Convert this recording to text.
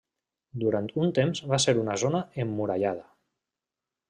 Durant un temps va ser una zona emmurallada.